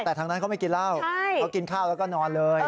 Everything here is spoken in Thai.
แต่ทางนั้นเขาไม่กินเหล้าเขากินข้าวแล้วก็นอนเลย